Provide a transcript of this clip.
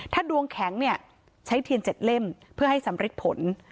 ถ้าดวงแข็งเนี่ยใช้เทียน๗เล่มเพื่อให้สำริดผล